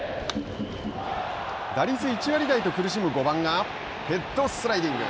打率１割台と苦しむ５番がヘッドスライディング。